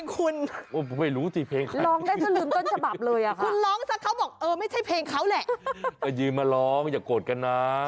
คุณร้องอย่าโกรธกันนะ